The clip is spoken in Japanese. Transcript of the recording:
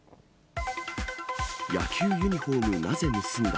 野球ユニホームなぜ盗んだ？